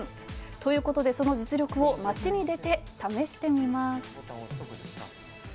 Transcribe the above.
ということで、その実力を街に出て試してみます。